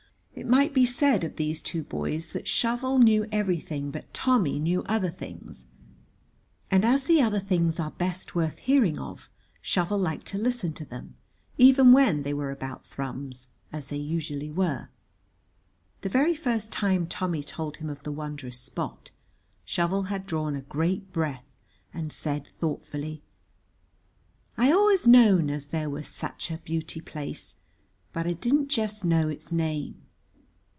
It might be said of these two boys that Shovel knew everything but Tommy knew other things, and as the other things are best worth hearing of Shovel liked to listen to them, even when they were about Thrums, as they usually were. The very first time Tommy told him of the wondrous spot, Shovel had drawn a great breath, and said, thoughtfully: "I allers knowed as there were sich a beauty place, but I didn't jest know its name."